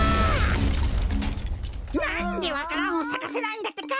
なんでわか蘭をさかせないんだってか！